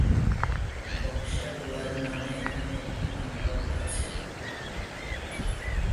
বক্সা-দুয়ার নামে এখানে একটি গিরিপথ আছে।